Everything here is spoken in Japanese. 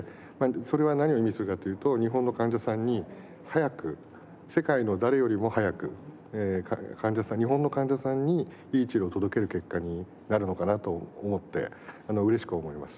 それは何を意味するかというと日本の患者さんに早く世界の誰よりも早く日本の患者さんにいい治療を届ける結果になるのかなと思って嬉しく思います。